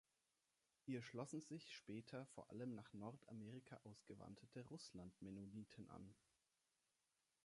Ihr schlossen sich später vor allem nach Nordamerika ausgewanderte Russlandmennoniten an.